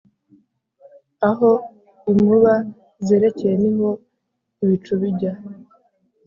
Aho inkuba zerekeye ni ho ibicu bijya.